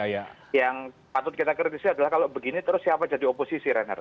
yang patut kita kritisi adalah kalau begini terus siapa jadi oposisi renhard